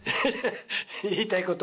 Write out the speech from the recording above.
言いたいこと？